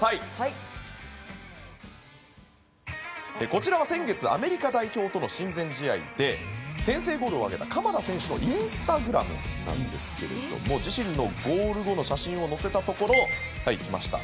こちらは先月アメリカ代表との親善試合で先制ゴールを挙げた鎌田選手のＩｎｓｔａｇｒａｍなんですけれども自身のゴール後の写真を載せたところはいきました。